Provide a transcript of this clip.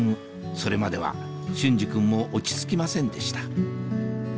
それまでは隼司君も落ち着きませんでした